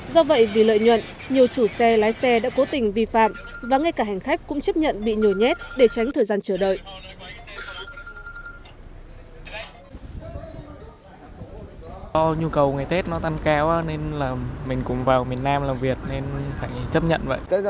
do vậy vì lợi nhuận nhiều chủ xe lái xe đã cố tình vi phạm và ngay cả hành khách cũng chấp nhận bị nhồi nhét để tránh thời gian chờ đợi